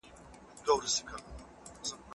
حق ته درناوی زموږ دیني دنده ده.